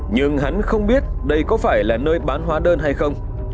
nhưng hắn không biết đây có phải là nơi bán hóa đơn hay không